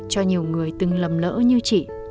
cho nhiều người từng lầm lỡ như chị